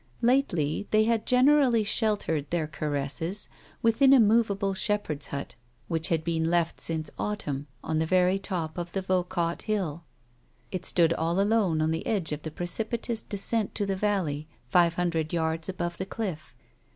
Lately, they had generally sheltered their caresses within a moveable shepherd's hut which had been left since autumn, on the very top of the Vaucotte hill. It stood all alone on the edge of the precipi toiis descent to the valley, five himdred yards above the cliff.